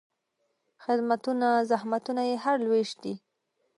خدمتونه، زحمتونه یې هر لوېشت دي